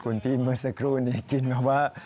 คุณพี่เมื่อสักครู่นี้กินมาว่า